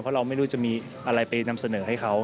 เพราะเราไม่รู้จะมีอะไรไปนำเสนอให้เขา